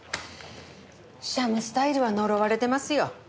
シャムスタイルは呪われてますよ。